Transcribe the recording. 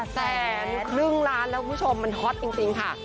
แสนครึ่งล้านแล้วคุณผู้ชมมันฮอตจริงค่ะ